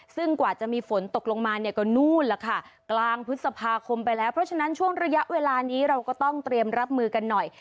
ซึ่งกว่าจะมีฝนตกลงมาเนี่ยก็นู่นล่ะค่ะกลางพฤษภาคมไปแล้วเพราะฉะนั้นช่วงระยะเวลานี้เราก็ต้องเตรียมรับมือกันหน่อย